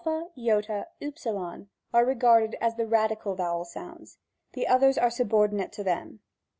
The vowels ay ly v, are regarded as the radical vowel sounds. The others are subordinate to them.